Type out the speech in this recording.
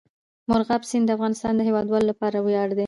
مورغاب سیند د افغانستان د هیوادوالو لپاره ویاړ دی.